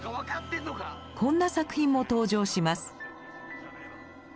こんな作品も登場します。